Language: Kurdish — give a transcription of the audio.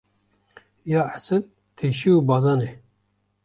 Ya esil teşî û badan e.